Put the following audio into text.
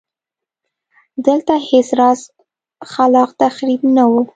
دلته هېڅ راز خلاق تخریب نه و.